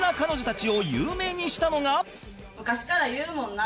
そんな昔から言うもんな。